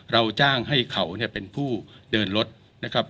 เราจ้างให้เขาเนี่ยเป็นผู้เดินรถนะครับ